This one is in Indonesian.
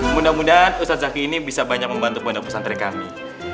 mudah mudahan ustadz zaky ini bisa banyak membantu pendakw lucian trosohi